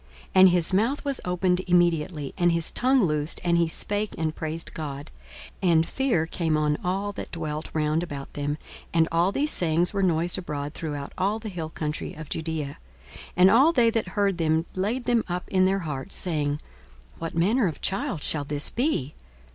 42:001:064 And his mouth was opened immediately, and his tongue loosed, and he spake, and praised God. 42:001:065 And fear came on all that dwelt round about them: and all these sayings were noised abroad throughout all the hill country of Judaea. 42:001:066 And all they that heard them laid them up in their hearts, saying, What manner of child shall this be!